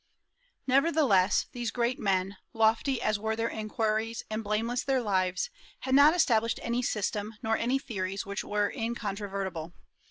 Nevertheless, these great men, lofty as were their inquiries and blameless their lives, had not established any system, nor any theories which were incontrovertible.